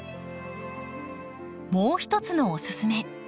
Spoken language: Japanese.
もう一つのお勧め。